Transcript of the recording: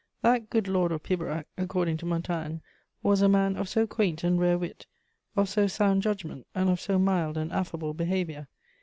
That "good Lord of Pibrac," according to Montaigne, was "a man of so quaint and rare wit, of so sound judgment, and of so mild and affable behaviour."